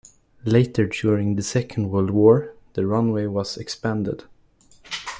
Later during the second World War, the runway was expanded.